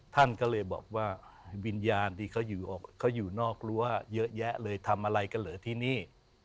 ท่านก็เลยบอกว่าวิญญาณที่เขาอยู่นอกรั้วเยอะแยะเลยทำอะไรกันเหรอที่นี่